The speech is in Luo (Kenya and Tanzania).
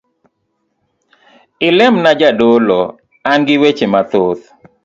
Ilemina jadolo, angi weche mathoth.